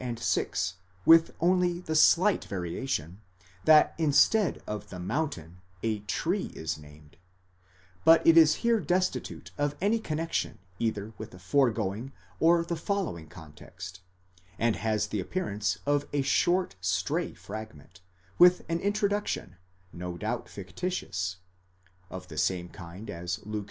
5, 6, with only the slight variation, that instead of the mountain a tree is named ; but it is here destitute of any connexion either with the foregoing or the following context, and has the appearance of a short stray fragment, with an introduc tion, no doubt fictitious (of the same kind as Luke xi.